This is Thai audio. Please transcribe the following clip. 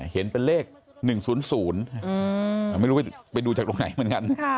เห็นเป็นเลขหนึ่งศูนย์ศูนย์ไม่รู้ไปดูจากตรงไหนเหมือนกัน